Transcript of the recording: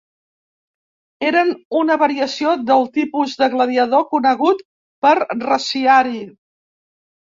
Eren una variació del tipus de gladiador conegut per reciari.